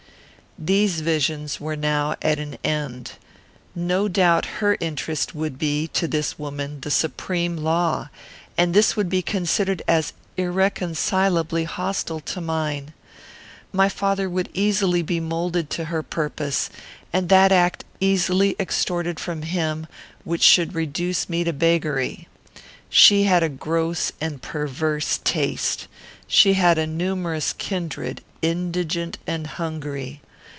These visions were now at an end. No doubt her own interest would be, to this woman, the supreme law, and this would be considered as irreconcilably hostile to mine. My father would easily be moulded to her purpose, and that act easily extorted from him which should reduce me to beggary. She had a gross and perverse taste. She had a numerous kindred, indigent and hungry.